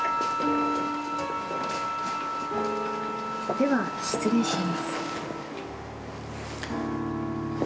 では失礼します。